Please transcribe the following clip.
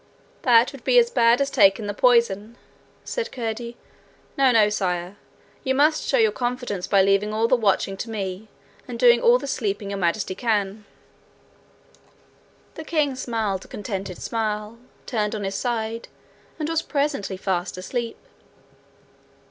'That would be as bad as taking the poison,' said Curdie. 'No, no, sire; you must show your confidence by leaving all the watching to me, and doing all the sleeping Your Majesty can.' The king smiled a contented smile, turned on his side, and was presently fast asleep.